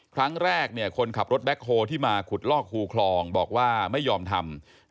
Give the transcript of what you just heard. ครั้งแรกคนขับรถแบ็คโฮที่มาขุดลอกคูคลองบอกว่าไม่ยอมทำ